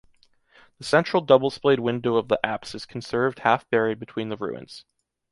The central double splayed window of the apse is conserved half buried between the ruins.